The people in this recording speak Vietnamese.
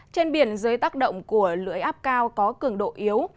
trên biển dưới tác động của lưỡi áp cao có cường độ yếu